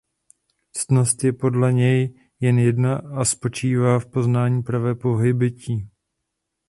Ctnost je podle něj jen jedna a spočívá v poznání pravé povahy bytí.